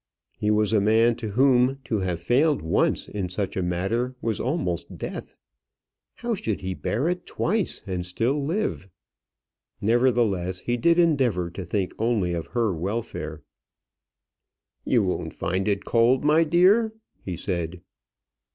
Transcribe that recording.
He was a man to whom to have failed once in such a matter was almost death. How should he bear it twice and still live? Nevertheless he did endeavour to think only of her welfare. "You won't find it cold, my dear?" he said.